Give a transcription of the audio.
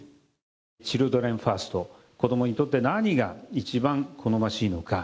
チルドレンファースト、子どもにとって何が一番好ましいのか。